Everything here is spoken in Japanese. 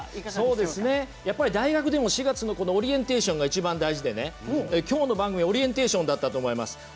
大学でも４月のオリエンテーションが一番大事できょうの番組はオリエンテーションだったと思います。